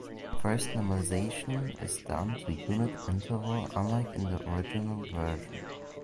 First normalization is done to unit interval unlike in the original version.